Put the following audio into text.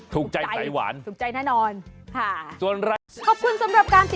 ถูกใจไตรหวาน